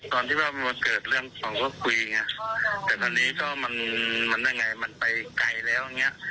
ตอนที่ว่าเกิดเรื่องของเขาคุยมันยังไงมันไปไกลแล้ว